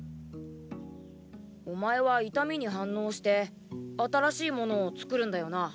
お前は痛みに反応して新しいものを作るんだよな。